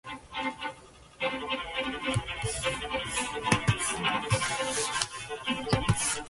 After commissioning, the ship was modified with a small breakwater at her bow.